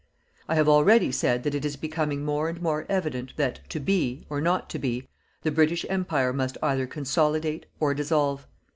I have already said that it is becoming more and more evident that TO BE, or NOT TO BE, the British Empire must either CONSOLIDATE or DISSOLVE.